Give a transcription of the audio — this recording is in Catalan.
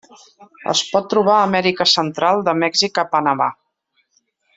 Es pot trobar a Amèrica Central, de Mèxic a Panamà.